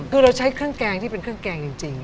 คือเราใช้เครื่องแกงที่เป็นเครื่องแกงจริง